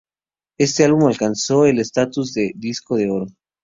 Este álbum alcanzó el estatus de disco de oro.